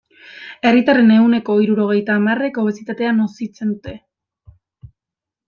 Herritarren ehuneko hirurogeita hamarrek obesitatea nozitzen dute.